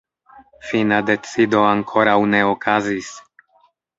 Fina decido ankoraŭ ne okazis.